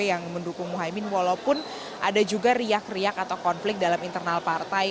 yang mendukung muhaymin walaupun ada juga riak riak atau konflik dalam internal partai